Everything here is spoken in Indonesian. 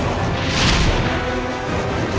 assalamualaikum warahmatullahi wabarakatuh